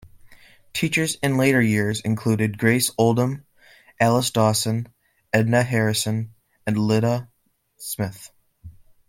Teachers in later years included Grace Oldham, Alice Dawson, Edna Harrison, and Lida Smith.